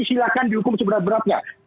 silahkan dihukum seberat beratnya